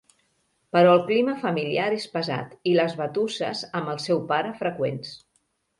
Però el clima familiar és pesat i les batusses amb el seu pare freqüents.